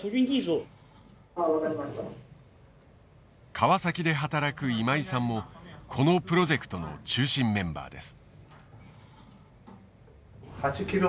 川崎で働く今井さんもこのプロジェクトの中心メンバーです。